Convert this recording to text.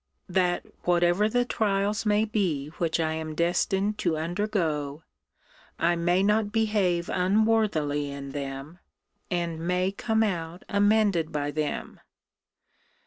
That, whatever the trials may be which I am destined to undergo, I may not behave unworthily in them, and may come out amended by them.